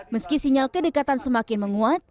meski sinyal kedekatan semakin menguat